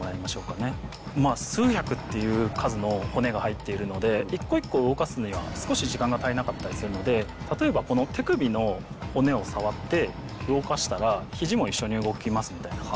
数百っていう数の骨が入っているので１個１個動かすには少し時間が足りなかったりするので例えばこの手首の骨を触って動かしたら肘も一緒に動きますみたいな。